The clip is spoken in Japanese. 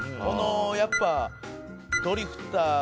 やっぱドリフターズ。